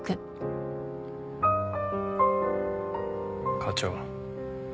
課長。